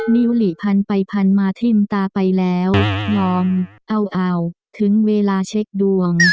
นิวหลีพันไปพันมาทิ้มตาไปแล้วงอมเอาถึงเวลาเช็คดวง